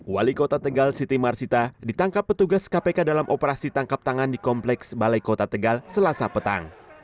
wali kota tegal siti marsita ditangkap petugas kpk dalam operasi tangkap tangan di kompleks balai kota tegal selasa petang